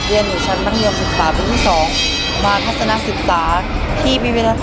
เรียนอยู่ชั้นบังเฮียม๑๓วันที่๒